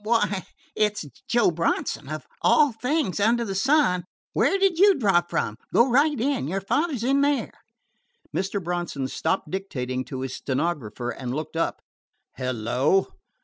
"Why, it 's Joe Bronson! Of all things under the sun, where did you drop from? Go right in. Your father 's in there." Mr. Bronson stopped dictating to his stenographer and looked up. "Hello!